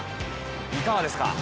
いかがですか？